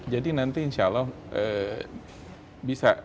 jadi nanti insya allah bisa